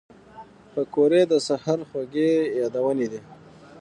پکورې د سهر خوږې یادونې دي